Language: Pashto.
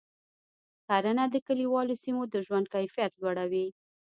کرنه د کلیوالو سیمو د ژوند کیفیت لوړوي.